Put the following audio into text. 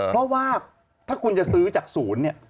เพราะว่าถ้าคุณจะซื้อจากศูนย์เนี่ย